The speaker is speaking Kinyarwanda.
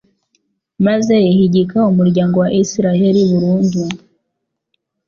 maze ihigika umuryango wa Israheli burundu